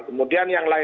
kemudian yang lain